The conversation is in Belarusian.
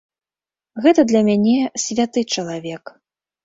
Гэта для мяне святы чалавек.